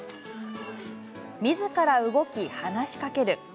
みずから動き話しかける